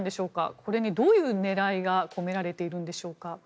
これに、どういう狙いが込められているんでしょうか。